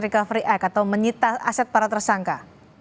recovery act atau menyita aset para tersangka